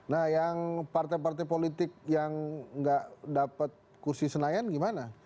nah yang partai partai politik yang nggak dapat kursi senayan gimana